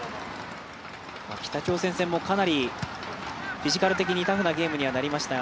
北朝鮮戦も、かなりフィジカル的にタフなゲームになりました。